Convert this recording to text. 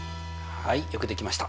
はいよくできました。